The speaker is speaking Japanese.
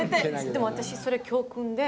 でも私それ教訓で。